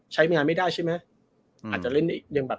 ใช้เป็นงานไม่ได้ใช่มั้ยอืมอาจจะเล่นถึงยังแบบ